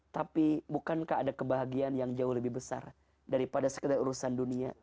tapi bukankah ada kebahagiaan yang jauh lebih besar daripada sekedar urusan dunia